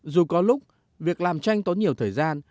dù có lúc việc làm tranh tốn nhiều thời gian